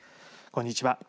こんにちは。